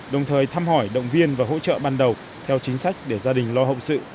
đồng thời thăm hỏi động viên và hỗ trợ ban đầu theo chính sách để gia đình lo hậu sự